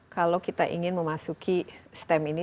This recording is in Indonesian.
kalau kita ingin memasuki stem ini